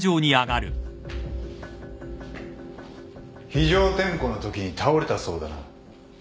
非常点呼のとき倒れたそうだな。